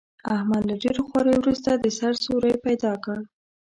احمد له ډېرو خواریو ورسته، د سر سیوری پیدا کړ.